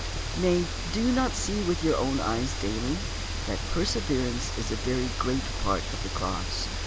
Nay, do you not see with your eyes daily, that perseverance is a very great part of the Cross?